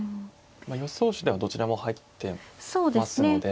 まあ予想手ではどちらも入ってますので。